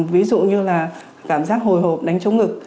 ví dụ như là cảm giác hồi hộp đánh chống ngực